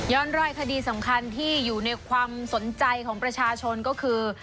รอยคดีสำคัญที่อยู่ในความสนใจของประชาชนก็คือ